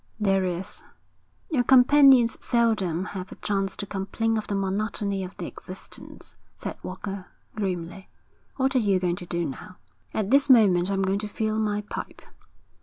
'There is.' 'Your companions seldom have a chance to complain of the monotony of their existence,' said Walker, grimly. 'What are you going to do now?' 'At this moment I'm going to fill my pipe.'